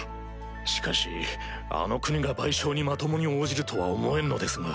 しかしあの国が賠償にまともに応じるとは思えんのですが。